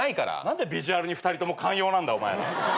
何でビジュアルに２人とも寛容なんだお前ら。